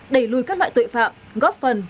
đẩy lùi các loại tội phạm góp phần